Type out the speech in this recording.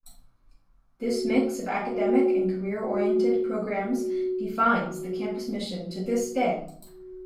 This mix of academic and career-oriented programs defines the campus mission to this day.